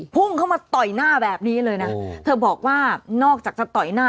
พุ่งเข้ามาต่อยหน้าแบบนี้เลยนะเธอบอกว่านอกจากจะต่อยหน้า